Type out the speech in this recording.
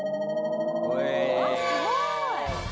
すごい。